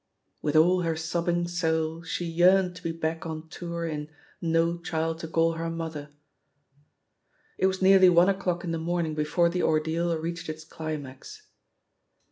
With all her sobbing soul she yearned to be back on tour in No Child to Call Her ''Mother/' It was nearly one o'clock in the morning be fore the ordeal reached its climax.